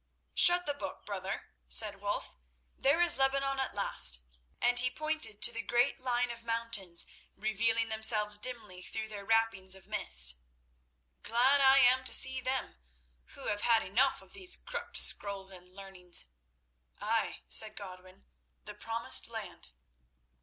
"Shut the book, brother," said Wulf; "there is Lebanon at last," and he pointed to the great line of mountains revealing themselves dimly through their wrappings of mist. "Glad I am to see them, who have had enough of these crooked scrolls and learnings." "Ay," said Godwin, "the Promised Land."